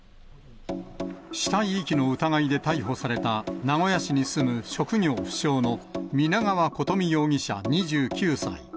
死体遺棄の疑いで逮捕された、名古屋市に住む職業不詳の皆川琴美容疑者２９歳。